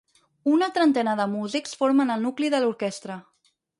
Una trentena de músics formen el nucli de l'orquestra.